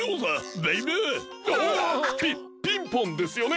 ピピンポンですよね？